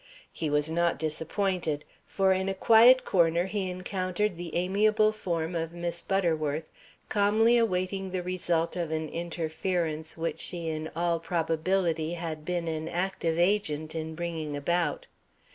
He was not disappointed. For in a quiet corner he encountered the amiable form of Miss Butterworth, calmly awaiting the result of an interference which she in all probability had been an active agent in bringing about.